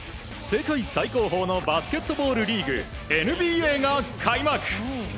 世界最高峰のバスケットボールリーグＮＢＡが開幕！